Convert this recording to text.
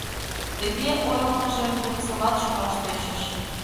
Тыге ойлымыжым Венцоват шӧраш тӧчыш.